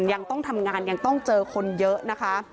ยังต้องทำงานยังต้องเจอคนเยอะนะคะ